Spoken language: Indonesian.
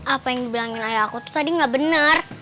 apa yang dibilangin ayah aku tuh tadi gak benar